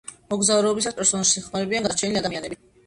მოგზაურობისას პერსონაჟს ეხმარებიან გადარჩენილი ადამიანები.